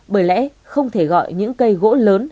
bởi lẽ không thể gọi những cây gỗ lớn